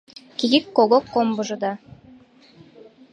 Кигик-когок комбыжо да